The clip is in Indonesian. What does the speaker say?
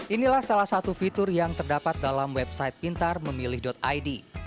inilah salah satu fitur yang terdapat dalam website pintarmemilih id